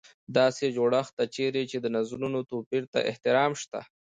داسې جوړښت ته چېرې چې د نظرونو توپیر ته احترام شته وي.